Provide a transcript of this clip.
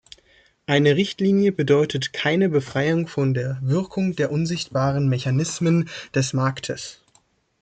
Eine Richtlinie bedeutet keine Befreiung von der Wirkung der unsichtbaren Mechanismen des Marktes.